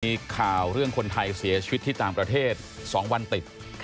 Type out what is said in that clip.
มีข่าวเรื่องคนไทยเสียชีวิตที่ต่างประเทศ๒วันติด